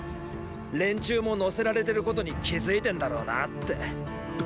連中も乗せられてることに気付いてんだろうなって。！